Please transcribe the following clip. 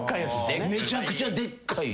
めちゃくちゃでっかい。